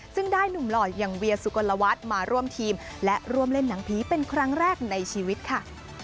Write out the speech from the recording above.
ซึ่งได้หนุ่มหล่ออย่างเวียสุกลวัฒน์มาร่วมทีมและร่วมเล่นหนังผีเป็นครั้งแรกในชีวิตค่ะ